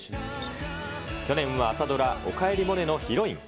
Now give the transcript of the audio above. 去年は朝ドラ、おかえりモネのヒロイン。